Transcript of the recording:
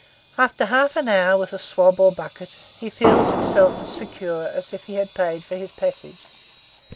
After half an hour with a swab or a bucket, he feels himself as secure as if he had paid for his passage.